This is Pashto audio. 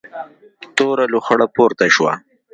توره لوخړه پورته شوه.